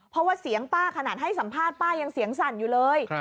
เพราะว่าเสียงป้าขนาดให้สัมภาษณ์ป้ายังเสียงสั่นอยู่เลย